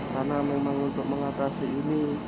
karena memang untuk mengatasi ini